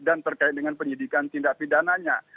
dan terkait dengan penyidikan tindak pidananya